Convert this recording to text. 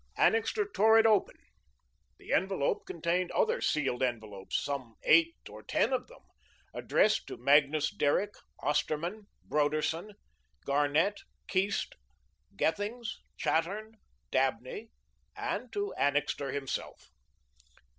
Annixter tore it open. The envelope contained other sealed envelopes, some eight or ten of them, addressed to Magnus Derrick, Osterman, Broderson, Garnett, Keast, Gethings, Chattern, Dabney, and to Annixter himself.